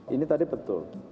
ini tadi betul